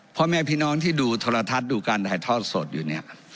พ่อแม่พี่น้องที่ดูโทรทัศน์ดูการถ่ายทอดสดอยู่เนี่ย